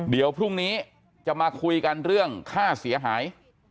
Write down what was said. เดี๋ยวพรุ่งนี้จะมาคุยกันเรื่องค่าเสียหาย